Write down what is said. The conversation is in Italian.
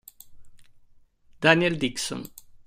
Daniel Dixon